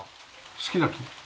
好きな木？